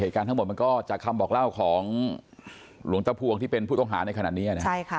เหตุการณ์ทั้งหมดมันก็จากคำบอกเล่าของหลวงตะพวงที่เป็นผู้ต้องหาในขณะนี้นะ